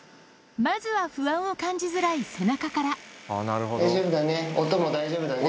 まずは不安を感じづらい背中から大丈夫だね。